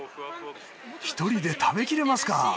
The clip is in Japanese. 一人で食べきれますか？